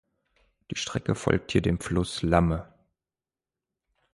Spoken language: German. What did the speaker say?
Die Strecke folgt hier dem Fluss Lamme.